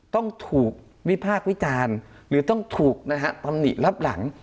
ต้องถูกวิพากษ์วิจารณ์หรือต้องถูกนะฮะตำหนิรับหลัง